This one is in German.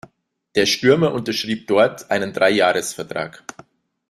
Der Stürmer unterschrieb dort einen Dreijahresvertrag.